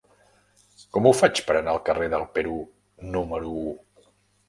Com ho faig per anar al carrer del Perú número u?